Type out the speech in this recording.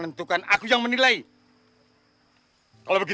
hati hati itunya kita ligat normalmente